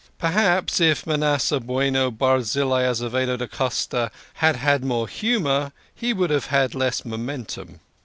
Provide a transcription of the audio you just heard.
Perhaps if Manasseh Bueno Barzillai Azevedo da Costa had had more humour he would have had less momentum.